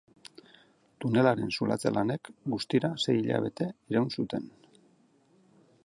Tunelaren zulatze-lanek guztira sei hilabete iraun zuten.